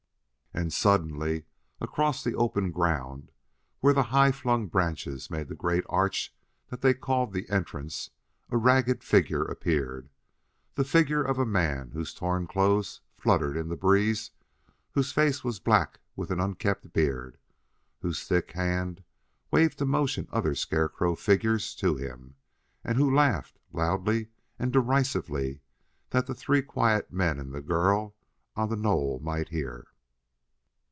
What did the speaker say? And suddenly, across the open ground, where the high flung branches made the great arch that they called the entrance, a ragged figure appeared. The figure of a man whose torn clothes fluttered in the breeze, whose face was black with an unkempt beard, whose thick hand waved to motion other scarecrow figures to him, and who laughed, loudly and derisively that the three quiet men and the girl on the knoll might hear.